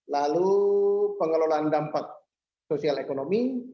lalu pengelolaan dampak sosial ekonomi